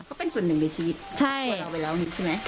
เขาเป็นส่วนหนึ่งในชีวิต